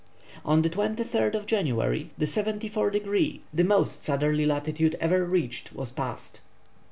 On the 23rd January the seventy fourth degree, the most southerly latitude ever reached, was passed.